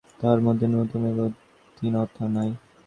তাহার মধ্যে ন্যূনতা এবং দীনতা নাই।